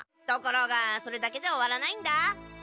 ところがそれだけじゃ終わらないんだ！